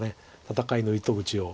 戦いの糸口を。